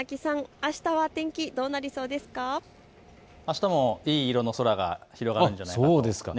あしたもいい色の空が広がるんじゃないですかね。